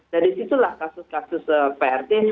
dan disitulah kasus kasus prt